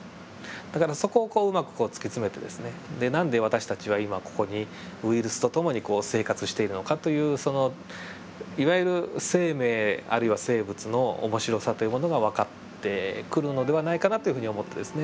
だからそこをうまく突き詰めてですねで何で私たちは今ここにウイルスと共に生活しているのかというそのいわゆる生命あるいは生物の面白さというものが分かってくるのではないかなというふうに思ってですね。